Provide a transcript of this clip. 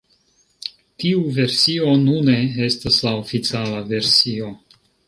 Tiu versio nune estas la oficiala versio.